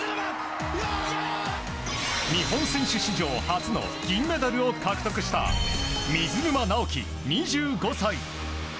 日本選手史上初の銀メダルを獲得した水沼尚輝、２５歳。